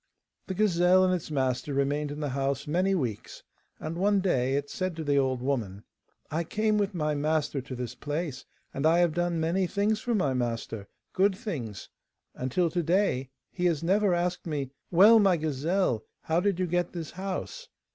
The gazelle and its master remained in the house many weeks, and one day it said to the old woman, 'I came with my master to this place, and I have done many things for my master, good things, and till to day he has never asked me: "Well, my gazelle, how did you get this house?